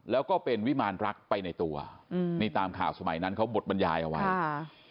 แล้วก็เป็นวิมารรักไปในตัวอืมนี่ตามข่าวสมัยนั้นเขาบทบรรยายเอาไว้ค่ะ